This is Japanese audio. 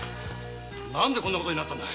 何であんな事になったんだ？